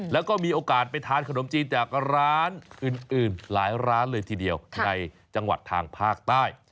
แล้วก็มีโอกาสไปทานขนมจีนจากร้านอื่นหลายร้านเลยทีเดียวในจังหวัดทางภาคใต้